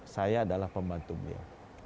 saya adalah pembantu dia